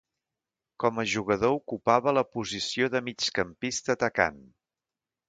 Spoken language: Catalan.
Com a jugador ocupava la posició de migcampista atacant.